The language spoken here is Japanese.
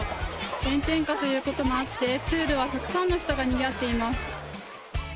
炎天下ということもあってプールはたくさんの人でにぎわっています。